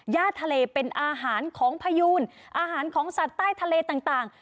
ทะเลเป็นอาหารของพยูนอาหารของสัตว์ใต้ทะเลต่าง